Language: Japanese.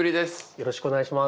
よろしくお願いします。